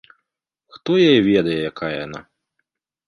Хто яе ведае, якая яна.